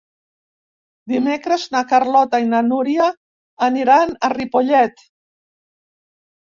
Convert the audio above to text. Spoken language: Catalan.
Dimecres na Carlota i na Núria aniran a Ripollet.